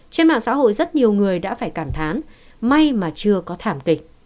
trên mạng xã hội rất nhiều người đã phải cảm thán may mà chưa có thảm kịch